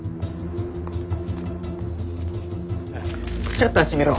シャッター閉めろ。